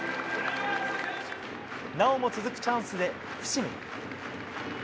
なおも続くチャンスで伏見。